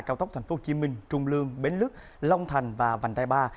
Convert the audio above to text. cao tốc tp hcm trung lương bến lức long thành và vành đai ba